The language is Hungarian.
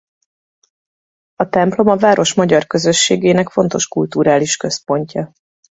A templom a város magyar közösségének fontos kulturális központja.